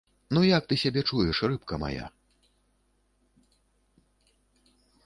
Ну як ты сябе чуеш, рыбка мая?